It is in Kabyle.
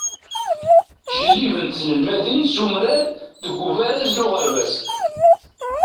Ttǧellibent tnelmadin s umrar deg ubaraz n uɣerbaz.